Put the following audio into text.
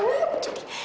lu apa jadi